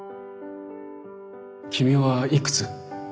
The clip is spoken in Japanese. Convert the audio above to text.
君はいくつ？